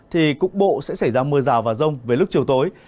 thì cục bộ sẽ xảy ra mưa rào và rông với lúc chiều tối